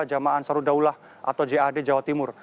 jamaah sarudaulah atau jad jawa timur